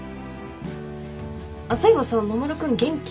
そういえばさ守君元気？